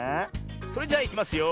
それじゃあいきますよ。